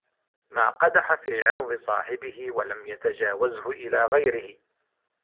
مَا قَدَحَ فِي عِرْضِ صَاحِبِهِ وَلَمْ يَتَجَاوَزْهُ إلَى غَيْرِهِ